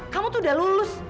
kamu tuh udah lulus